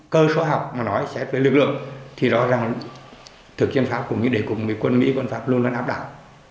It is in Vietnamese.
cơ sở học mà nói sẽ với lực lượng thì rõ ràng thực chiến pháp của những địa quốc mỹ quân pháp luôn luôn áp đảo